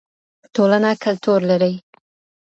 ټولنه کلتور لري.